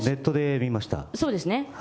そうですね。